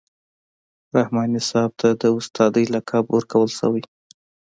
رحماني صاحب ته د استادۍ لقب ورکول شوی.